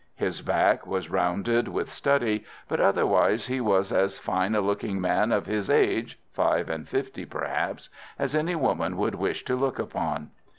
His back was rounded with study, but otherwise he was as fine a looking man of his age—five and fifty perhaps—as any woman would wish to look upon.